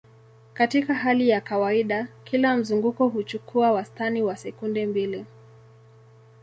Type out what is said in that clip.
Katika hali ya kawaida, kila mzunguko huchukua wastani wa sekunde mbili.